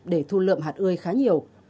để thu lượm hạt ươi khá nhiều